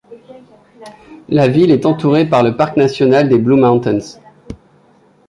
La ville est entourée par le parc national des Blue Mountains.